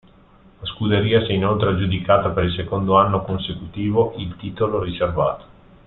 La scuderia si è inoltre aggiudicata per il secondo anno consecutivo il titolo riservato.